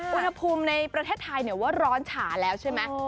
อุณหภูมิในประเทศไทยว่าร้อนฉาแล้วใช่ไหม